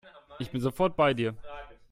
Ich bin sofort bei dir.